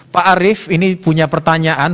pak arief ini punya pertanyaan